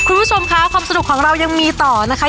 คุณผู้ชมค่ะความสนุกของเรายังมีต่อนะคะ